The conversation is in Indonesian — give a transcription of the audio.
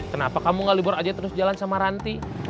kenapa kamu gak libur aja terus jalan sama ranti